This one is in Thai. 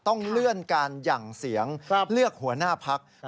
ต้องเลื่อนการหยั่งเสียงเลือกหัวหน้าพัก